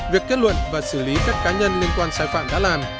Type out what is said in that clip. việc kết luận và xử lý các cá nhân liên quan sai phạm đã làm